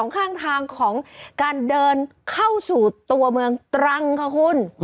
ข้างทางของการเดินเข้าสู่ตัวเมืองตรังค่ะคุณ